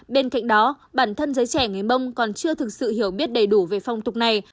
bên cạnh đó bản thân giới trẻ người mông còn chưa thực sự hiểu biết đầy đủ về phong tục này